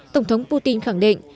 tổng thống putin khẳng định